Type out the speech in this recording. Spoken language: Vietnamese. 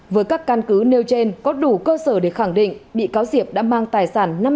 với các căn cứ nêu trên có đủ cơ sở để khẳng định bị cáo diệp đã mang tài sản